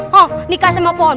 hah nikah sama pohon